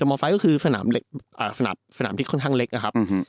สมอร์ไซต์ก็คือสนามที่ค่อนข้างเล็กนะครับ